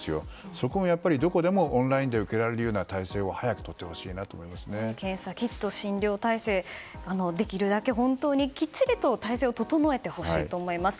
そこがやっぱりどこでもオンラインで受けられる体制を検査キット、診療体制できるだけきっちりと体制を整えてほしいと思います。